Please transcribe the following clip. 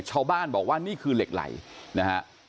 ชาวบ้านบอกว่านี่คือเหล็กไหลนะฮะ